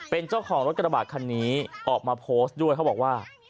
เป็นเจ้าของรถกระบาดคันนี้ออกมาโพสต์ด้วยเขาบอกว่า